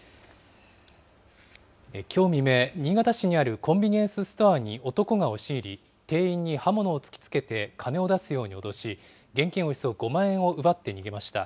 きょう未明、新潟市にあるコンビニエンスストアに男が押し入り、店員に刃物を突きつけて金を出すように脅し、現金およそ５万円を奪って逃げました。